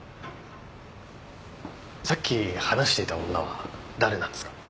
さっき話していた女は誰なんですか？